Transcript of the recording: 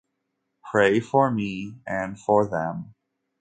Pray for me, and for them.